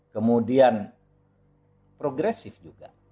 kemudian progresif juga